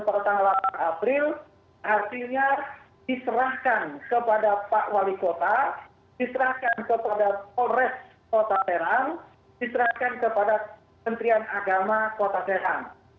pada tanggal delapan april hasilnya diserahkan kepada pak wali kota diserahkan kepada polres kota serang diserahkan kepada kementerian agama kota serang